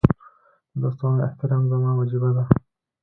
د دوستانو احترام زما وجیبه ده.